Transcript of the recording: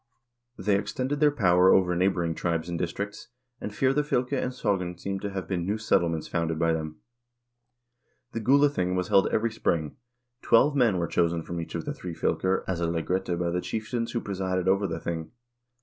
1 They extended their power over neighboring tribes and districts, and Firoafvlke and Sogn seem to have been new settlements founded by them. The Gulathing was held every spring. Twelve men were chosen from each of the three fylker as a lagrette by the chieftains who presided over the thing.